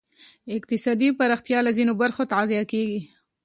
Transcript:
اقتصادي پراختیا له ځینو برخو تغذیه کېږی.